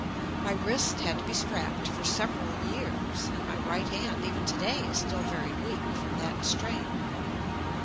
My wrist had to be strapped for sev JUST ME eral years, and my right hand, even today, is still very weak from that strain.